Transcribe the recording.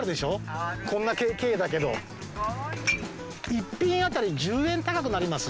１品当たり１０円高くなります